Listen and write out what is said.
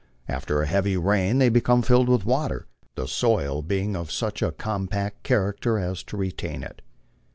After a heavy rain they become filled with water, the soil being of such a compact character as to retain it.